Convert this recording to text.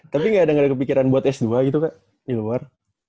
tapi gak ada kepikiran buat s dua gitu ke di luar